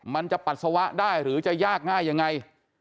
ปัสสาวะได้หรือจะยากง่ายยังไง